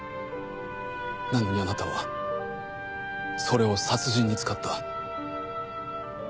なのにあなたはそれを殺人に使った。